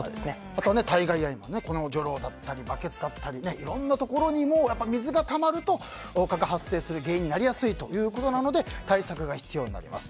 あとは、タイヤ以外にはじょうろだったりバケツだったりいろんなところにも水がたまると、蚊が発生しやすい原因になりやすいということで対策が必要になります。